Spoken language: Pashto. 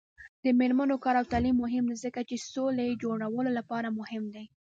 د میرمنو کار او تعلیم مهم دی ځکه چې سولې جوړولو لپاره مهم دی.